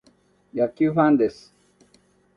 野球ファンです。